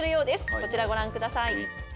こちらをご覧ください。